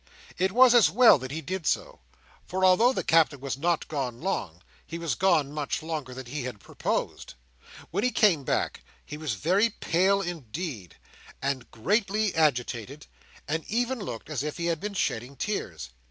It was as well that he did so; for although the Captain was not gone long, he was gone much longer than he had proposed. When he came back, he was very pale indeed, and greatly agitated, and even looked as if he had been shedding tears.